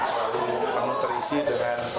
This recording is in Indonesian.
selalu terisi dengan